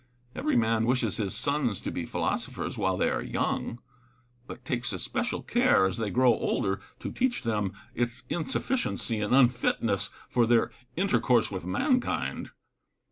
Every man wishes his sons to be philosophers while they are young ; but takes especial care, as they grow older, to teach them its insufficiency and unfitness for their inter course with mankind.